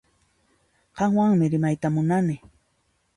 Qanwanmi rimayta munani